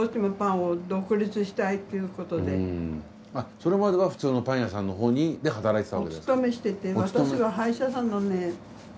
それまでは普通のパン屋さんのほうで働いてた。